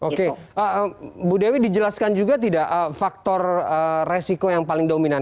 oke bu dewi dijelaskan juga tidak faktor resiko yang paling dominan